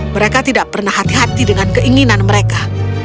mereka tidak pernah hati hati dengan keinginan mereka